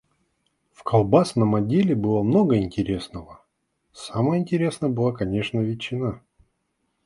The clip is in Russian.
В колбасном отделе было много интересного, самое интересное была конечно ветчина.